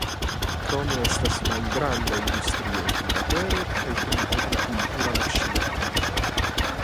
Krome estas malgranda industrio pri papero kaj pri agrikultura maŝinaro.